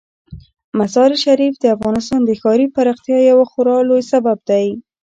مزارشریف د افغانستان د ښاري پراختیا یو خورا لوی سبب دی.